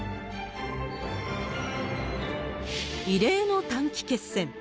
異例の短期決戦。